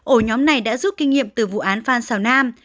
ổ nhóm này đã rút kinh nghiệm từ vụ án phan xào nam